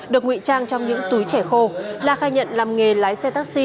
được ngụy trang trong những túi trẻ khô la khai nhận làm nghề lái xe taxi